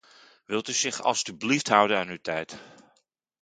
Wilt u zich alstublieft houden aan uw tijd.